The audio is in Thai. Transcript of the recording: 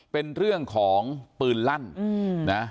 เป็นเรื่องของปืนลั่นนะ